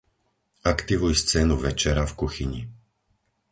Aktivuj scénu "večera" v kuchyni.